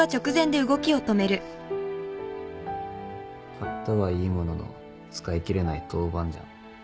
買ったはいいものの使い切れない豆板醤。